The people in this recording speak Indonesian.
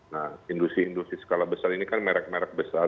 nah industri industri skala besar ini kan merek merek besar